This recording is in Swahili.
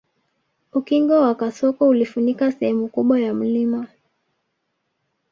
Ukingo wa kasoko ulifunika sehemu kubwa ya mlima